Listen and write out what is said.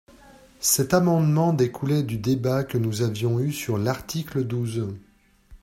Cet amendement découlait du débat que nous avions eu sur l’article douze.